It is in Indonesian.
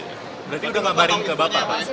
berarti udah kabarin ke bapak ya pak